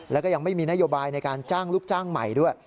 แล้วก็ยังไม่มีนโยบายในการจ้างลูกจ้างใหม่ด้วย